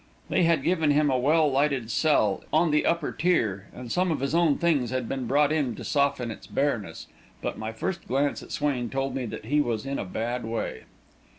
They had given him a well lighted cell on the upper tier, and some of his own things had been brought in to soften its bareness, but my first glance at Swain told me that he was in a bad way.